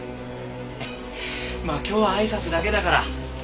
まあ今日は挨拶だけだから。